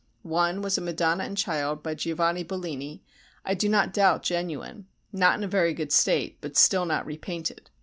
One was a Madonna and Child by Giovanni Bellini, I do not doubt genuine, not in a very good state, but still not repainted.